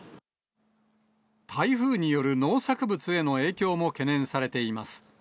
台風による農作物への影響も懸念されています。